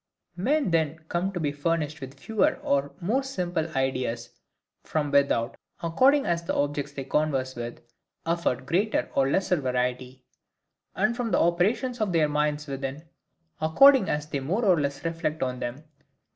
Men then come to be furnished with fewer or more simple ideas from without, according as the objects they converse with afford greater or less variety; and from the operations of their minds within, according as they more or less reflect on them.